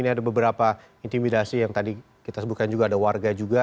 ini ada beberapa intimidasi yang tadi kita sebutkan juga ada warga juga